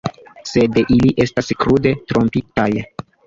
Sed ili estas krude trompitaj.